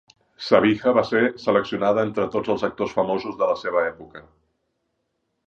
Sabiha va ser seleccionada entre tots els actors famosos de la seva època.